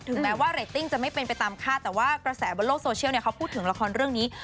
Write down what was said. แม้ว่าเรตติ้งจะไม่เป็นไปตามคาดแต่ว่ากระแสบนโลกโซเชียลเขาพูดถึงละครเรื่องนี้